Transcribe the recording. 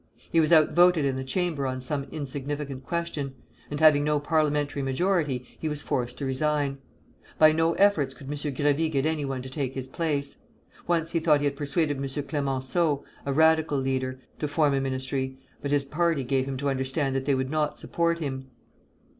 He was outvoted in the Chamber on some insignificant question; and having no parliamentary majority, he was forced to resign. By no efforts could M. Grévy get anyone to take his place. Once he thought he had persuaded M. Clemenceau, a Radical leader, to form a ministry; but his party gave him to understand that they would not support him.